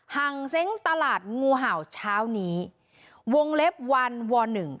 ห่างเซ้งตลาดงูเห่าเช้านี้วงเล็บวันวอหนึ่ง